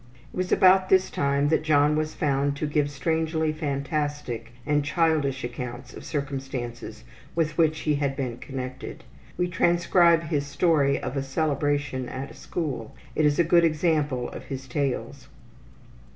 It was about this time that John was found to give strangely fantastic and childish accounts of circumstances with which he had been connected. We transcribe his story of a celebration at a school it is a good example of his tales.